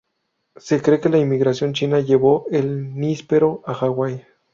Se cree que la inmigración china llevó el níspero a Hawái.